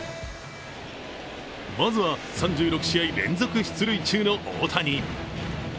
まずは、３６試合連続出塁中の大谷。